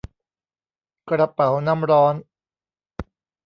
กระเป๋าน้ำร้อน